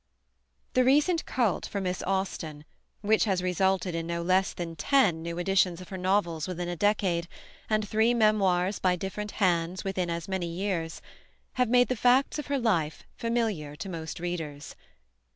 THE recent cult for Miss Austen, which has resulted in no less than ten new editions of her novels within a decade and three memoirs by different hands within as many years, have made the facts of her life familiar to most readers.